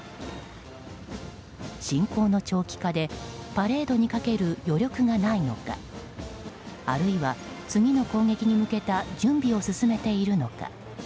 侵攻の長期化でパレードにかける余力がないのかあるいは次の攻撃に向けた準備を進めているのか。